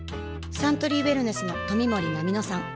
サントリーウエルネスの冨森菜美乃さん